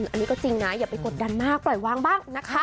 อันนี้ก็จริงนะอย่าไปกดดันมากปล่อยวางบ้างนะคะ